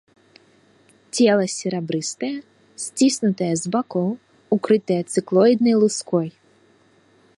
Цела серабрыстае, сціснутае з бакоў, укрытае цыклоіднай луской.